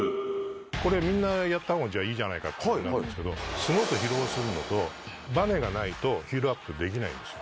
これみんなやったほうが、じゃあ、いいじゃないかっていうんですけど、すごく疲労するのと、ばねがないとヒールアップできないんですよ。